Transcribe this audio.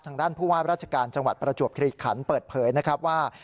ทางด้านผู้ว่าราชการจังหวัดประจวบคลีขันเปิดเผยนะครับว่า